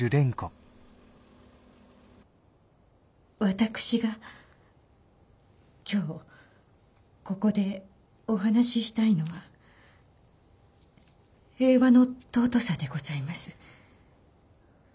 私が今日ここでお話ししたいのは平和の尊さでございます。